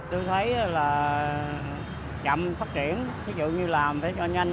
tôi thấy là chậm phát triển ví dụ như làm để cho nhanh